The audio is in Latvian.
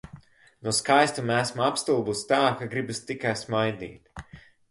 No skaistuma esmu apstulbusi tā, ka gribas tikai smaidīt.